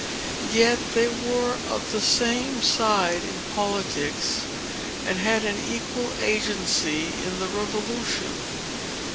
"Yet they were of the same side in politics, and had an equal agency in the Revolution.